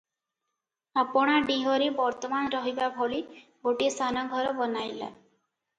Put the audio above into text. ଆପଣା ଡିହରେ ବର୍ତ୍ତମାନ ରହିବା ଭଳି ଗୋଟିଏ ସାନ ଘର ବନାଇଲା ।